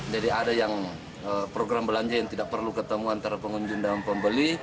jadi ada yang program belanja yang tidak perlu ketemu antara pengunjung dan pembeli